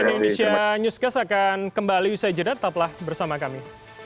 cnn indonesia newscast akan kembali usai jeda tetaplah bersama kami